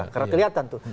karena kelihatan itu